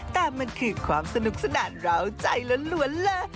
แต่มันคือความสนุกสนานร้าวใจล้วนเลย